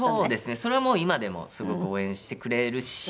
それはもう今でもすごく応援してくれるし